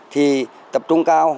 thì tập trung cao